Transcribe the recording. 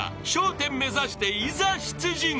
１０目指していざ出陣］